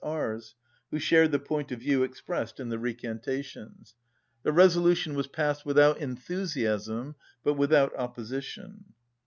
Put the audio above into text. R.'s who shared the point of view expressed in the recantations. The resolution was passed without enthusiasm but without opposi tion.